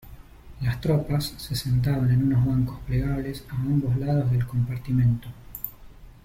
Las tropas, se sentaban en unos bancos plegables a ambos lados del compartimento.